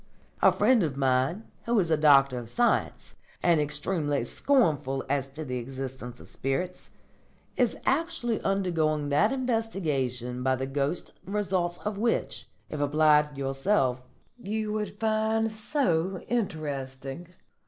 A friend of mine, who is a Doctor of Science, and extremely scornful as to the existence of spirits, is actually undergoing that investigation by the ghosts the results of which, if applied to yourself, you would find so interesting.